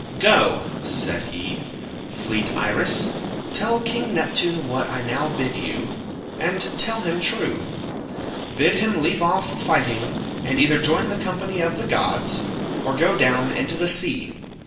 "Go," said he, "fleet Iris, tell King Neptune what I now bid you—and tell him true. Bid him leave off fighting, and either join the company of the gods, or go down into the sea.